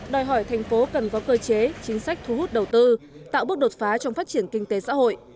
đòi hỏi thành phố cần có cơ chế chính sách thu hút đầu tư tạo bước đột phá trong phát triển kinh tế xã hội